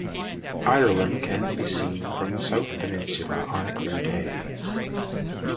Ireland can be seen from the south peninsula on a clear day.